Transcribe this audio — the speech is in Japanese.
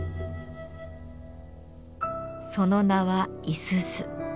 その名は五十鈴。